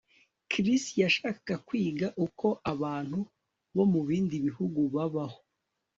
Chris yashakaga kwiga uko abantu bo mubindi bihugu babaho